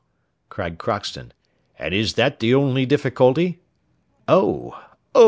cried Crockston, "and is that the only difficulty?" "Oh! oh!